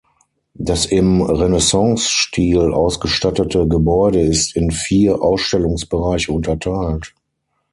Das im Renaissancestil ausgestattete Gebäude ist in vier Ausstellungsbereiche unterteilt.